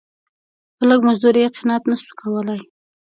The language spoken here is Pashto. په لږ مزدوري یې قناعت نه سو کولای.